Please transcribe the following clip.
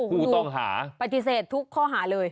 ผู้ต้องหาปฏิเสธทุกข้อหาเลย